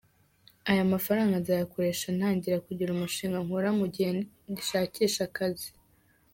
Aya mafaranga nzayakoresha ntangira kugira umushinga nkora, mu gihe ngishakisha akazi.